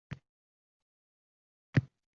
Undan oshigʻiga ruxsat yoʻq ekan